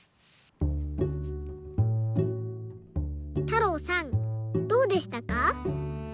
たろうさんどうでしたか？